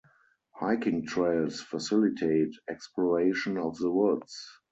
Hiking trails facilitate exploration of the Woods.